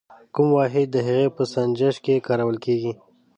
کوم واحد د هغې په سنجش کې کارول کیږي؟